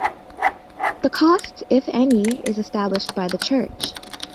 The cost, if any, is established by the church.